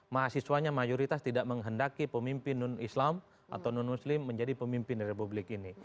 mahasiswanya mayoritas tidak menghendaki pemimpin non islam atau non muslim menjadi pemimpin republik ini